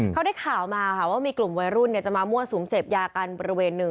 เขาได้ข่าวมาค่ะว่ามีกลุ่มวัยรุ่นจะมามั่วสุมเสพยากันบริเวณหนึ่ง